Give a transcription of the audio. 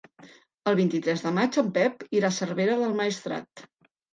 El vint-i-tres de maig en Pep irà a Cervera del Maestrat.